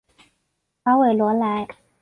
法韦罗莱。